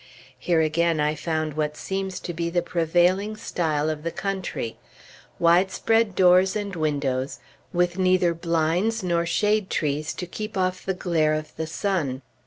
Here again I found what seems to be the prevailing style of the country, widespread doors and windows, with neither blinds nor shade trees to keep off the glare of the sun.